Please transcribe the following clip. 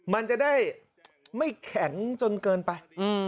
มันจะได้ไม่แข็งจนเกินไป